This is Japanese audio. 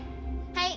はい。